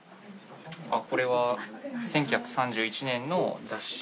あっこれは１９３１年の雑誌。